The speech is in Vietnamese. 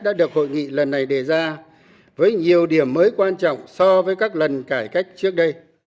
đã được hội nghị lần này đề ra với nhiều điểm mới quan trọng so với các lần cải cách trước đây